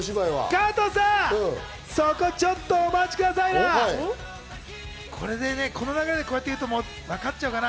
加藤さん、そこちょっとお待ちくださいな。